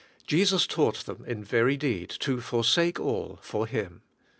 Jesus taught them in very deed to forsake all for Him.